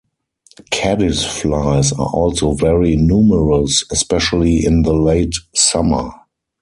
Caddisflies are also very numerous, especially in the late summer.